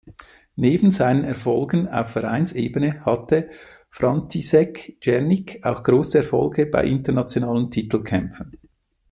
Neben seinen Erfolgen auf Vereinsebene hatte František Černík auch große Erfolge bei internationalen Titelkämpfen.